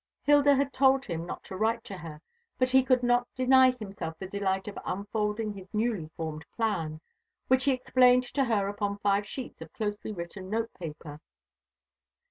Hilda had told him not to write to her; but he could not deny himself the delight of unfolding his newly formed plan, which he explained to her upon five sheets of closely written note paper.